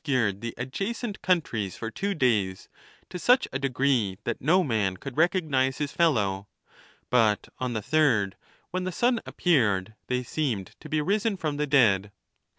291 scared the adjacent countries for two days to such a de gi fee that no man could recognize his fellow; but on the third, when the sun appeared, they seemed to be risen from the dead.